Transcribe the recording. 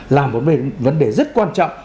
là một vấn đề rất quan trọng